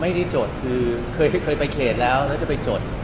จดคือเคยไปเขตแล้วแล้วจะไปจด